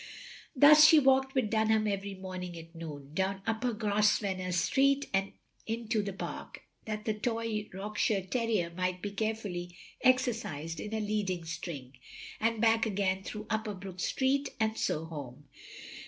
Thus she walked with Dunham every morning at noon, down Upper Grosvenor Street and into the Park, that the toy Yorkshire terrier might be carefully exercised in a leading string; and back again through Upper Brook Street and so home.